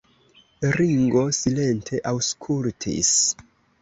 Ringo silente aŭskultis.